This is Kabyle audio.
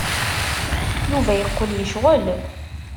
Yuba yeqqel yecɣel.